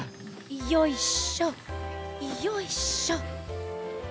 よいしょよいしょ。